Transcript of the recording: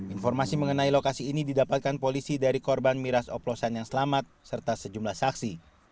informasi mengenai lokasi ini didapatkan polisi dari korban miras oplosan yang selamat serta sejumlah saksi